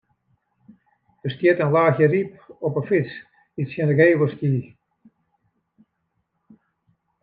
Der siet in laachje ryp op 'e fyts dy't tsjin de gevel stie.